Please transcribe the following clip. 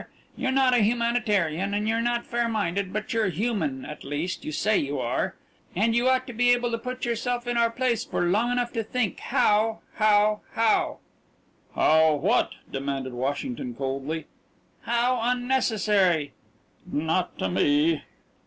You're not a humanitarian and you're not fair minded, but you're human at least you say you are and you ought to be able to put yourself in our place for long enough to think how how how " "How what?" demanded Washington, coldly. " how unnecessary " "Not to me."